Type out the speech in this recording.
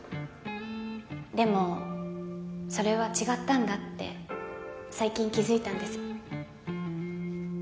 でもそれは違ったんだって最近気づいたんです。